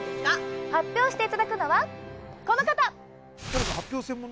発表していただくのはこの方！